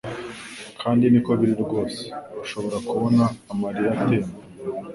kandi niko biri rwose urashobora kubona amarira atemba